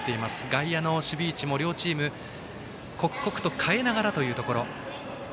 外野の守備位置も両チーム、刻々と変えながらというところ。